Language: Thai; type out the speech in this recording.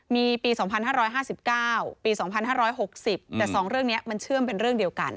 มีปี๒๕๕๙ปี๒๕๖๐แต่๒เรื่องนี้มันเชื่อมเป็นเรื่องเดียวกัน